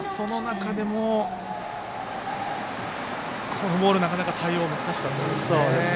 このボール、なかなか対応難しかったですね。